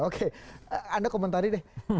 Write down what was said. oke anda komentari deh